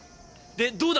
でどうだ